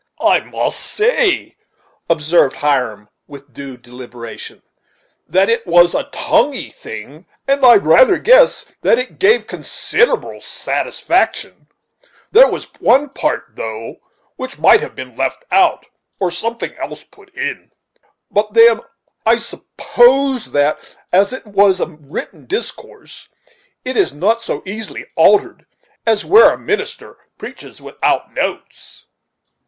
"I must say," observed Hiram, with due deliberation, "that it was a tongney thing; and I rather guess that it gave considerable satisfaction, There was one part, though, which might have been left out, or something else put in; but then I s'pose that, as it was a written discourse, it is not so easily altered as where a minister preaches without notes."